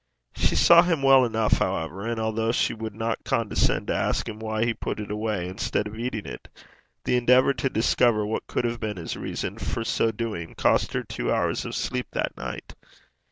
She saw him well enough, however, and although she would not condescend to ask him why he put it away instead of eating it, the endeavour to discover what could have been his reason for so doing cost her two hours of sleep that night.